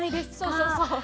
そうそうそう。